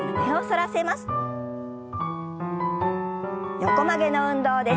横曲げの運動です。